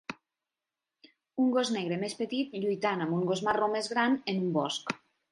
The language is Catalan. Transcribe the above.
Un gos negre més petit lluitant amb un gos marró més gran en un bosc.